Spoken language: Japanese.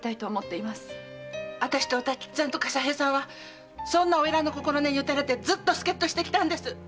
あたしと歌吉さんと笠平さんはそんな花魁の心根にうたれてずっと助っ人してきたんです。